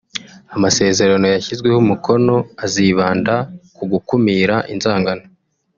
Amasezerano yashyizweho umukono azibanda ku gukumira inzangano